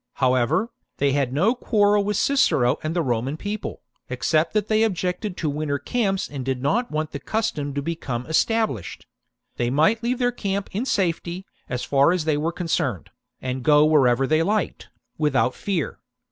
However,, they had no quarrel with Cicero and the Roman People, except that they objected to winter camps and did not want the custom to become established : they might leave their camp in safety, as far as they were concerned, and go wherever they liked, without fear.